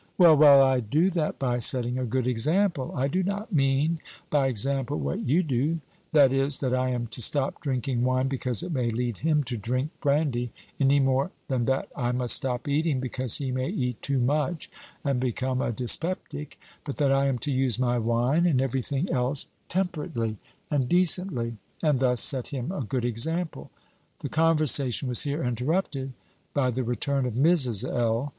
"Well, well, I do that by setting a good example. I do not mean by example what you do that is, that I am to stop drinking wine because it may lead him to drink brandy, any more than that I must stop eating because he may eat too much and become a dyspeptic but that I am to use my wine, and every thing else, temperately and decently, and thus set him a good example." The conversation was here interrupted by the return of Mrs. L.